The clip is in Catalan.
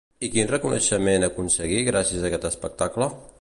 I quin reconeixement aconseguí gràcies a aquest espectacle?